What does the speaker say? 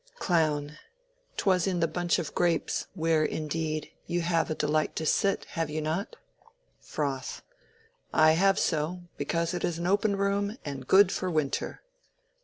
Clown. ... 'Twas in the Bunch of Grapes, where, indeed, you have a delight to sit, have you not? Froth. I have so: because it is an open room, and good for winter.